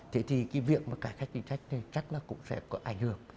thế thì cái việc mà cải khách tính sách này chắc là cũng sẽ có ảnh hưởng